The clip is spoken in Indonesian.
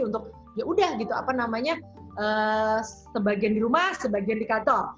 untuk ya udah gitu apa namanya sebagian di rumah sebagian di kantor